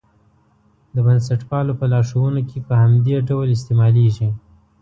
د بنسټپالو په لارښوونو کې په همدې ډول استعمالېږي.